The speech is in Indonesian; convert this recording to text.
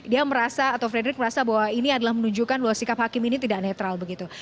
dia merasa atau frederick merasa bahwa ini adalah menunjukkan bahwa sikap hakim ini tidak netral begitu